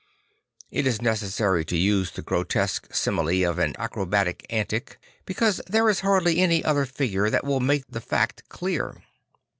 I t is necessary to use the grotesque simile of an acrobatic antic, because there is hardly any other figure that ,viII make the fact clear.